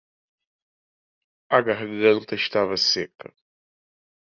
A garganta estava seca